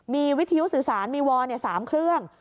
มีวิทยุสื่อสารมีวอล๓เครื่อง